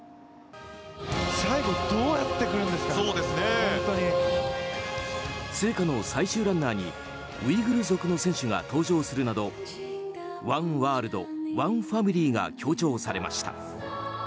聖火の最終ランナーにウイグル族の選手が登場するなど「ワンワールド、ワンファミリー」が強調されました。